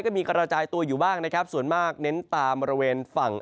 ก็มีกระจายตัวอยู่บ้างนะครับส่วนมากเน้นตามบริเวณฝั่ง